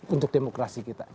untuk demokrasi kita